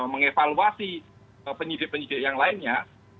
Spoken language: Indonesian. mengevaluasi penyidik penyidik yang lainnya